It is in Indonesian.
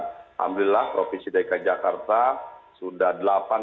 alhamdulillah provinsi dki jakarta sudah delapan bahkan sembilan kali lebih tinggi dari setahun